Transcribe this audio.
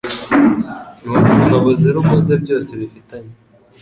n’ubuzima buzira umuze byose bifitanye.